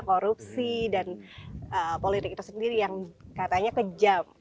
korupsi dan politik itu sendiri yang katanya kejam